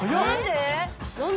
何で？